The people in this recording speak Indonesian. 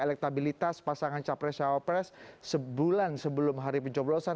elektabilitas pasangan capres cawapres sebulan sebelum hari pencoblosan